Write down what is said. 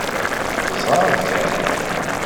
Ẓer kan!